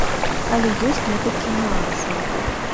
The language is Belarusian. Але ёсць некалькі нюансаў.